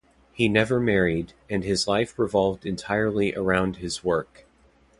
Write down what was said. He never married, and his life revolved entirely around his work.